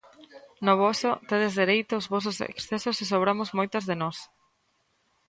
No voso, tedes dereito aos vosos excesos e sobramos moitas de nós.